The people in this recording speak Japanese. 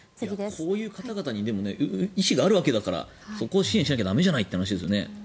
こういう方々に意思があるわけだからそこを支援しなきゃ駄目じゃないという話ですよね。